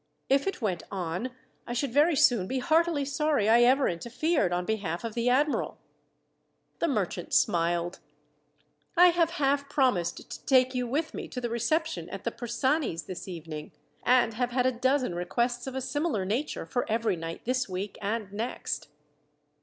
If it went on, I should very soon be heartily sorry I ever interfered on behalf of the admiral." The merchant smiled. "I have half promised to take you with me to the reception at the Persanis' this evening, and have had a dozen requests of a similar nature for every night this week and next."